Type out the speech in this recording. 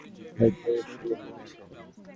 এইতো শুরু হচ্ছে।